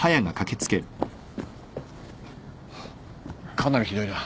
かなりひどいな。